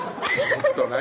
ちょっと何？